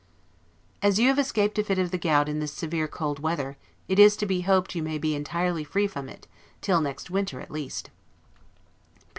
As you have escaped a fit of the gout in this severe cold weather, it is to be hoped you may be entirely free from it, till next winter at least.